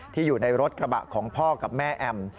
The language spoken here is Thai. อยู่ในรถกระบะของพ่อกับแม่แอม